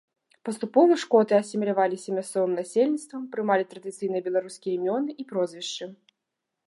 Паступова шкоты асіміляваліся мясцовым насельніцтвам, прымалі традыцыйныя беларускія імёны і прозвішчы.